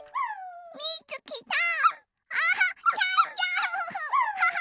みつけた！